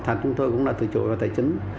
thành chúng tôi cũng là tự chủ về mặt tài chính